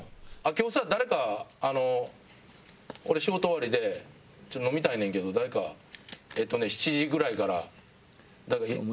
今日さ誰かあの俺仕事終わりで飲みたいねんけど誰かえっとね７時ぐらいから誰かおらへん？